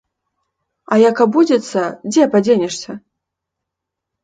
А як абудзіцца, дзе падзенешся?